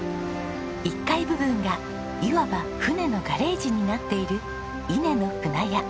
１階部分がいわば船のガレージになっている伊根の舟屋。